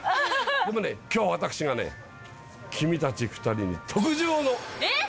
でも今日私が君たち２人に。